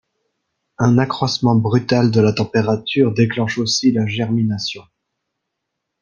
Un accroissement brutal de la température déclenche aussi la germination.